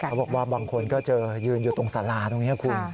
เขาบอกว่าบางคนก็เจอยืนอยู่ตรงสลาตรงนี้ครับคุณ